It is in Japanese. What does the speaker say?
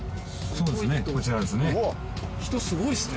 そうですねこちらですね。